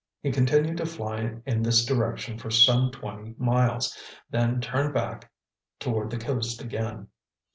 He continued to fly in this direction for some twenty miles, then turned back toward the coast again.